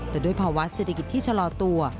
แต่ด้วยภาวะเศรษฐกิจที่ชะลอตัว